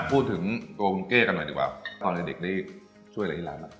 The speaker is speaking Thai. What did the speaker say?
พูดถึงตัวคุณเก้กันหน่อยดีกว่าตอนเด็กได้ช่วยอะไรที่ร้านมา